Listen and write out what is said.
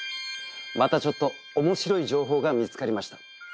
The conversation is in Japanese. またちょっとおもしろい情報が見つかりました。